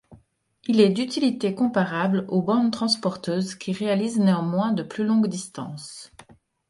Il est d'utilité comparable aux bandes transporteuses qui réalisent néanmoins de plus longues distances.